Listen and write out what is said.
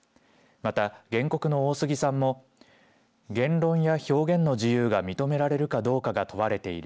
また、原告の大杉さんも言論や表現の自由が認められるかどうかが問われている。